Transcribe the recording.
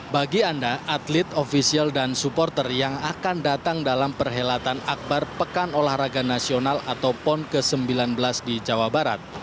bagi anda atlet ofisial dan supporter yang akan datang dalam perhelatan akbar pekan olahraga nasional atau pon ke sembilan belas di jawa barat